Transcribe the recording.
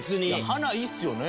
花いいっすよね。